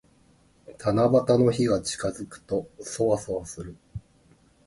七夕の日が近づくと、そわそわする。